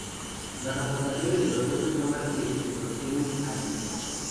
Las aportaciones de los socios son las que se sostienen al equipo.